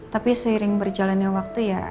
tapi seiring berjalannya waktu ya